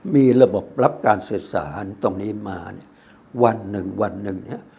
มีระบบรับการสื่อสารตรงนี้มาเนี่ยวันหนึ่งวันหนึ่งเนี่ย